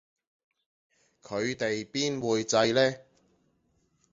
佢哋邊會䎺呢